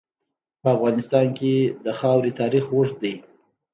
په افغانستان کې د خاوره تاریخ اوږد دی.